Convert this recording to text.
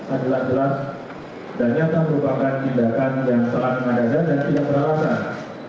adalah jelas dan nyata merupakan tindakan yang salah dengan dasar dan tidak beralasan